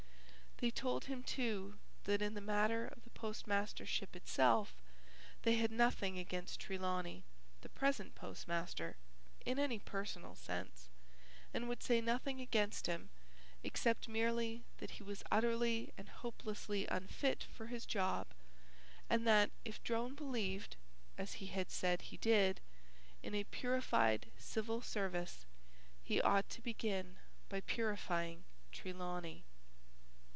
They told him too that in the matter of the postmastership itself they had nothing against Trelawney, the present postmaster, in any personal sense, and would say nothing against him except merely that he was utterly and hopelessly unfit for his job and that if Drone believed, as he had said he did, in a purified civil service, he ought to begin by purifying Trelawney.